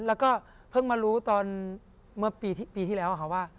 แล้วก็เพิ่งมารู้ตอนเมื่อปีที่แล้วค่ะว่า